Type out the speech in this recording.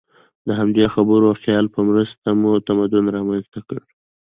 د همدې خبرو او خیال په مرسته مو تمدن رامنځ ته کړ.